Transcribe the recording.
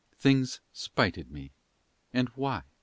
Things spited me, and why?